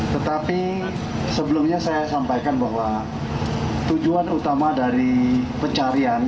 tetapi sebelumnya saya sampaikan bahwa tujuan utama dari pencarian